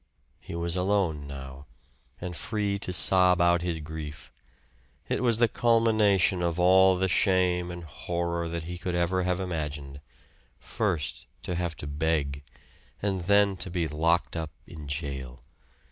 He was alone now, and free to sob out his grief. It was the culmination of all the shame and horror that he could ever have imagined; first, to have to beg, and then to be locked up in jail.